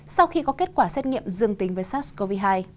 sau khi có kết quả xét nghiệm dương tính với sars cov hai